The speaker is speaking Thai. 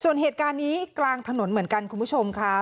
ส่วนเหตุการณ์นี้กลางถนนเหมือนกันคุณผู้ชมค่ะ